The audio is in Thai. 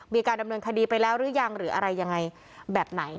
มีการดำเนินคดีไปแล้วหรือยังหรืออะไรยังไงแบบไหน